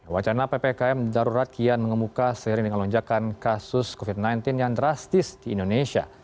wacana ppkm darurat kian mengemuka seiring dengan lonjakan kasus covid sembilan belas yang drastis di indonesia